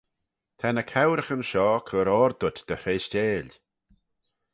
Ta ny cowraghyn shoh cur oyr dhyt dy hreishteil.